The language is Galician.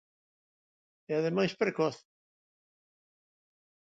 E, ademais, precoz.